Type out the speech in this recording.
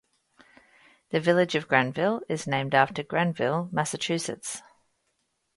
The village of Granville is named after Granville, Massachusetts.